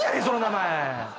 その名前！